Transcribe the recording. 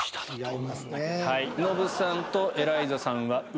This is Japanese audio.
ノブさんとエライザさんは上？